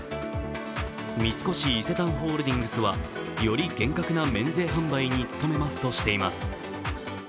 三越伊勢丹ホールディングスはより厳格な免税販売に努めますとしています。